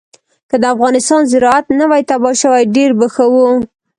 که د افغانستان زراعت نه وی تباه شوی ډېر به ښه وو.